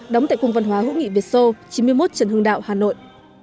đóng tại cung văn hóa hữu nghị việt sô chín mươi một trần hưng đạo hà nội